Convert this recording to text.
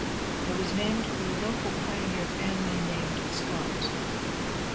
It was named for a local pioneer family named Scott.